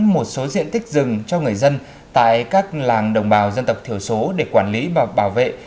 một số diện tích rừng cho người dân tại các làng đồng bào dân tộc thiểu số để quản lý và bảo vệ